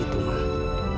dan itu gak pernah berubah